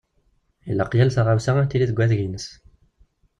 Ilaq tal taɣawsa ad tili deg wadeg-ines.